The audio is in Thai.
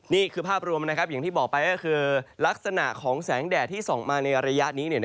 นี่คือภาพรวมอย่างที่บอกไปก็คือลักษณะของแสงแดดที่ส่องมาในระยะนี้